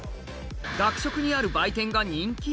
学食にある売店が人気？